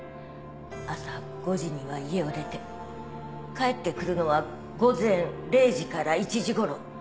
朝５時には家を出て帰ってくるのは午前０時から１時ごろ。